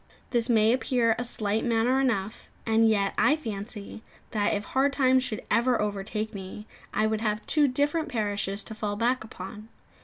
This may appear a slight matter enough; and yet, I fancy, that if hard times should ever overtake me, I would have two different parishes to fall back upon.